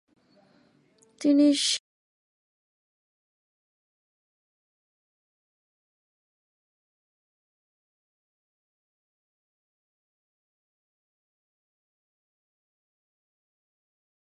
Head to হেডে জার্মানির থেকে পিছিয়ে সুইডেন হবে তৃতীয়।